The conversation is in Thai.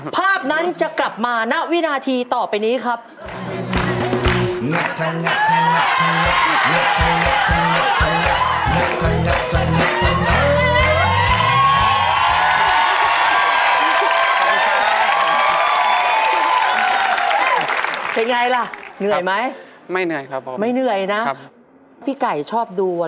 ภาพนั้นจะกลับมาณวินาทีต่อไปนี้ครับ